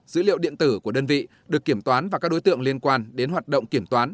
dữ liệu điện tử của đơn vị được kiểm toán và các đối tượng liên quan đến hoạt động kiểm toán